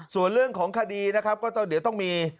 ส่วนเรื่องของคดีนะครับก็ต้องเดี๋ยวต้องมี